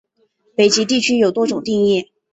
北极地区有多种定义。